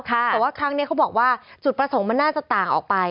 แต่ว่าครั้งนี้เขาบอกว่าจุดประสงค์มันน่าจะต่างออกไป